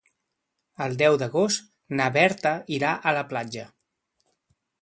El deu d'agost na Berta irà a la platja.